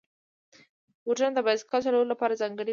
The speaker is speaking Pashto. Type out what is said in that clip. بوټونه د بایسکل چلولو لپاره ځانګړي وي.